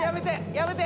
やめて！